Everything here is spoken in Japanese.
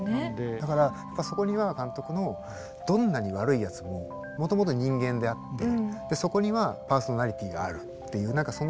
だからやっぱそこには監督のどんなに悪いやつももともと人間であってでそこにはパーソナリティーがあるっていう何かその。